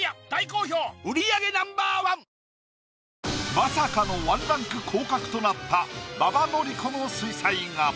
まさかの１ランク降格となった馬場典子の水彩画。